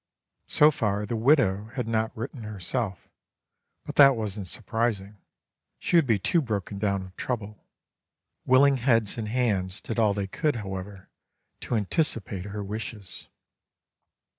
So far the widow had not written herself; but that wasn't surprising; she would be too broken down with trouble. Willing heads and hands did all they could, however, to anticipate her wishes.